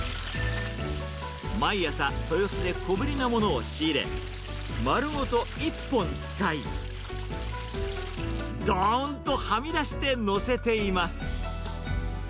毎朝、豊洲で小ぶりなものを仕入れ、丸ごと一本使い、どーんとはみ出して載せています。